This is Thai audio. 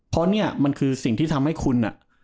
เพราะเนี่ยมันคือสิ่งที่ทำให้คุณ